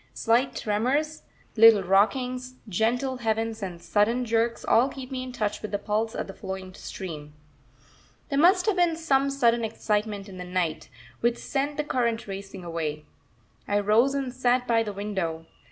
Slight tremors, little rockings, gentle heaves, and sudden jerks, all keep me in touch with the pulse of the flowing stream. There must have been some sudden excitement in the night, which sent the current racing away. I rose and sat by the window.